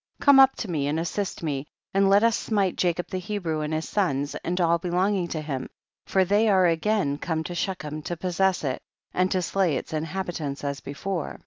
Come up to me and assist me, and let us smite Jacob the Hebrew and his sons, and all belonging to him, for they are again come to Shechem to possess it and to slay its inhabi tants as before ; 9.